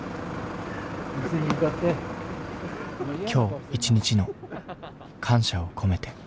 今日一日の感謝を込めて。